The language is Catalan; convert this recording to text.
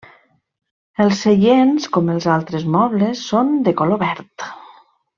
Els seients, com els altres mobles, són de color verd.